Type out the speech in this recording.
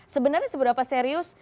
sebenarnya seberapa serius